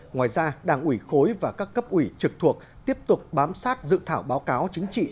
ngoài ra đảng ủy khối và các cấp ủy trực thuộc tiếp tục bám sát dự thảo báo cáo chính trị